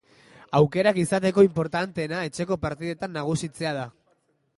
Aukerak izateko inportanteena etxeko partidetan nagusitzea da.